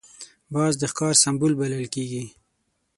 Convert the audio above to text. باز د ښکار سمبول بلل کېږي